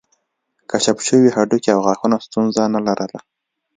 کشف شوي هډوکي او غاښونه ستونزه نه لرله.